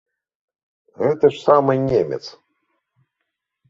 Гэты ж самы немец!